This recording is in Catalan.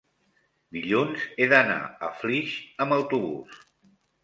dilluns he d'anar a Flix amb autobús.